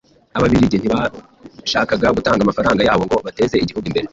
Ababiligi ntibashakaga gutanga amafaranga yabo ngo bateze igihugu imbere.